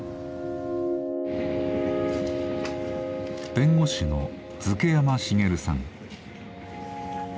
弁護士の瑞慶山茂さん。